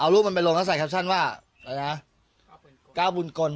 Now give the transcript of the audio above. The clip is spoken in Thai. รูปมันไปลงแล้วใส่แคปชั่นว่าอะไรนะ๙บุญกล